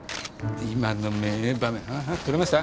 今の名場面撮れました？